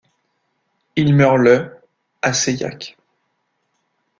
Il meurt le à Seilhac.